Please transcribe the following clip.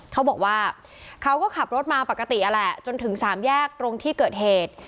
เขาบอกว่าเขาก็ขับรถมาปกตินั่นแหละจนถึงสามแยกตรงที่เกิดเหตุ